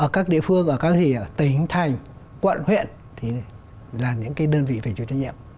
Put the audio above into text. các địa phương ở các tỉnh thành quận huyện thì là những cái đơn vị phải chịu trách nhiệm